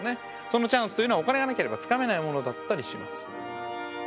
そのチャンスというのはお金がなければつかめないものだったりします。